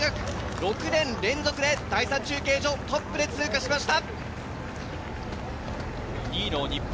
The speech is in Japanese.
６年連続で第３中継所、トップで通過しました。